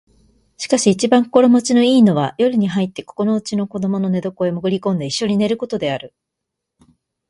しかし一番心持ちの好いのは夜に入ってここのうちの子供の寝床へもぐり込んで一緒に寝る事である